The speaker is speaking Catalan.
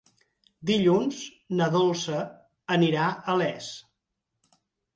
Dilluns na Dolça anirà a Les.